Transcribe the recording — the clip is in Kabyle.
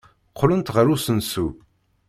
Qqlent ɣer usensu.